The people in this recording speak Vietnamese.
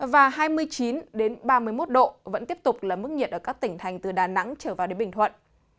và hai mươi chín ba mươi một độ vẫn tiếp tục là mức nhiệt ở các tỉnh thành từ đà nẵng trở vào đến bình thuận